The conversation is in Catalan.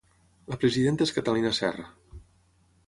La presidenta és Catalina Serra.